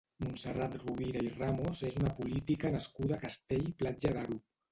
Montserrat Rovira i Ramos és una política nascuda a Castell-Platja d'Aro.